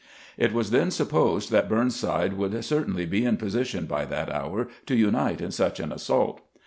It was then supposed that Burnside would certainly be in position by that hour to unite in such an assault.